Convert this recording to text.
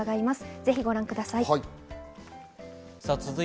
ぜひご覧ください。